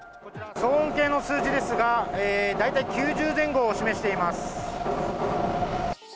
騒音計の数字ですが、大体９０前後を示しています。